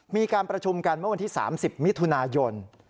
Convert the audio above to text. มีการประชุมกันเมื่อวันที่๓๐มิถุนายน